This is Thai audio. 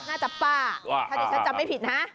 กะน่าจะป้าถ้าเดี๋ยวฉันจำไม่ผิดนะ